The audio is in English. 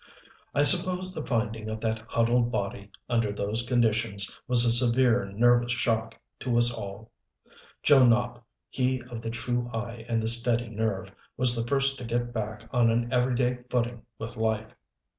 I suppose the finding of that huddled body, under those conditions, was a severe nervous shock to us all. Joe Nopp, he of the true eye and the steady nerve, was the first to get back on an every day footing with life.